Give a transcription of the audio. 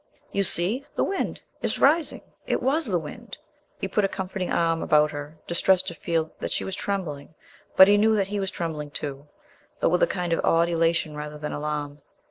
"You see, the wind is rising. It was the wind!" He put a comforting arm about her, distressed to feel that she was trembling. But he knew that he was trembling too, though with a kind of odd elation rather than alarm.